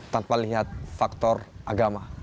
tanpa lihat faktor agama